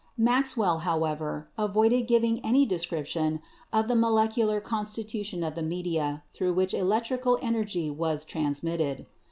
Maxwell, however, avoided giving any description of the molecular constitution of the media through which electrical energy was trans mitted.